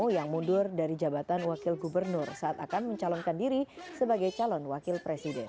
yang mundur dari jabatan wakil gubernur saat akan mencalonkan diri sebagai calon wakil presiden